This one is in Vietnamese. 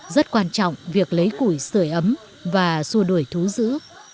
rất quan trọng việc lấy củi sửa ấm và xua đuổi thú giữ